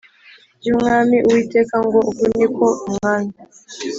ry Umwami Uwiteka ngo Uku ni ko Umwami